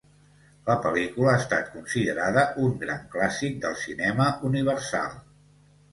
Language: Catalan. La pel·lícula ha estat considerada un gran clàssic del cinema universal.